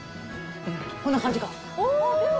こんな感じか。